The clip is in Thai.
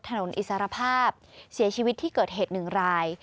อิสรภาพเสียชีวิตที่เกิดเหตุหนึ่งราย